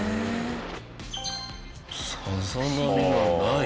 さざ波がない。